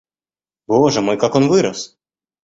Боже мой, как он вырос!